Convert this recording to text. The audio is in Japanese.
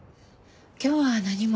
今日は何も。